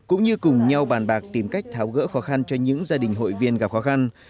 cũng như cùng nhau bàn bạc tìm cách tháo gỡ khó khăn cho những gia đình hội viên gặp khó khăn